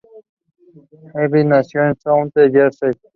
Helbig nació en South Jersey.